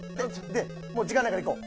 でもう時間ないから行こう。